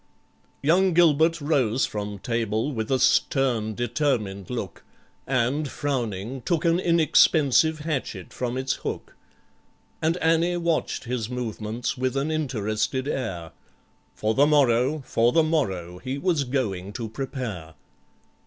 Young GILBERT rose from table with a stern determined look, And, frowning, took an inexpensive hatchet from its hook; And ANNIE watched his movements with an interested air— For the morrow—for the morrow he was going to prepare!